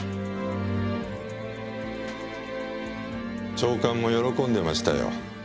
長官も喜んでましたよ。